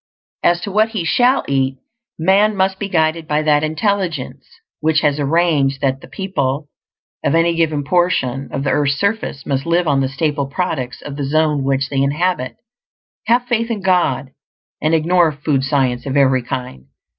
As to what he shall eat, man must be guided by that Intelligence which has arranged that the people of any given portion of the earth's surface must live on the staple products of the zone which they inhabit. Have faith in God, and ignore "food science" of every kind.